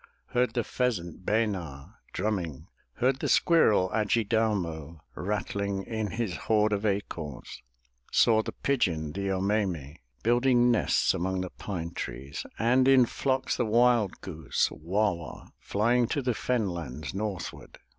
Heard the pheasant, Be'na, drumming. Heard the squirrel, Ad ji dau'mo, Rattling in his hoard of acorns. Saw the pigeon, the 0 me'me, Building nests among the pine trees, And in flocks the wild goose, Wa'wa, Flying to the fen lands northward.